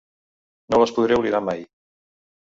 No les podré oblidar mai.